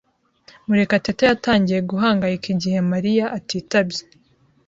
Murekatete yatangiye guhangayika igihe Mariya atitabye.